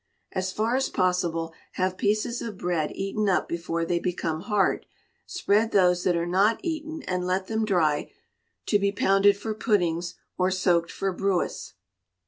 As far as possible, have pieces of bread eaten up before they become hard: spread those that are not eaten, and let them dry, to be pounded for puddings, or soaked for brewis.